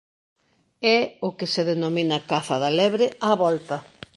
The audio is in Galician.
É o que se denomina caza da lebre "á volta".